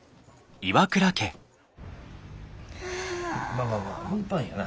・まあまあまあ運搬やな。